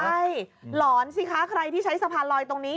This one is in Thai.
ใช่หลอนสิคะใครที่ใช้สะพานลอยตรงนี้